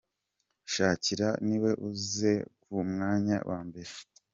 Shakira niwe uza ku mwanya wa mbere.